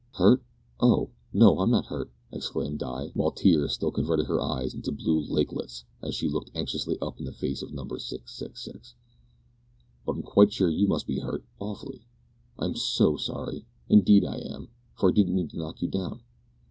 "Hurt? oh! no, I'm not hurt," exclaimed Di, while tears still converted her eyes into blue lakelets as she looked anxiously up in the face of Number 666; "but I'm quite sure you must be hurt awfully. I'm so sorry! Indeed I am, for I didn't mean to knock you down."